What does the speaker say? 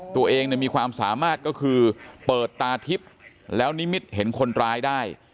ตัวเองมีความสามารถก็คือเปิดตาทิพย์แล้วนิมิตเห็นคนร้ายได้